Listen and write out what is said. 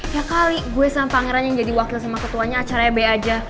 tiap kali gue sama pangeran yang jadi wakil sama ketuanya acaranya b aja